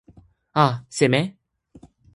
a, seme?